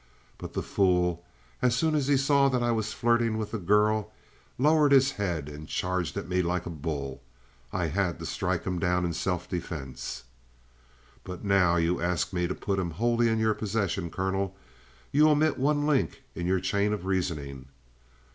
But the fool, as soon as he saw that I was flirting with the girl, lowered his head and charged at me like a bull. I had to strike him down in self defense. "But now you ask me to put him wholly in your possession. Colonel, you omit one link in your chain of reasoning.